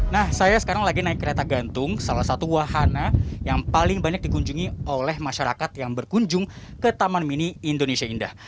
nah saya sekarang lagi naik kereta gantung salah satu wahana yang paling banyak dikunjungi oleh masyarakat yang berkunjung ke taman mini indonesia indah